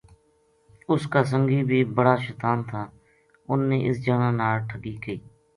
ا ُس کا سنگی بی بڑا شطان تھا اُنھ نے اس جنا ناڑ ٹھگی کئی